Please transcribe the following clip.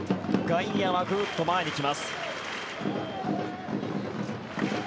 外野はグッと前に来ます。